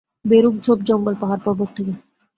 বেরুক ঝোড় জঙ্গল পাহাড় পর্বত থেকে।